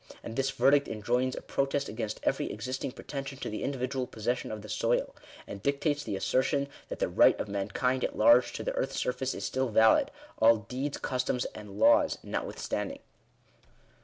And this verdict enjoins a protest against every existing pretension to the individual possession of the soil ; and dictates the assertion, that the right of man kind at large to the earth's surface is still valid ; all deeds, customs, and laws, notwithstanding.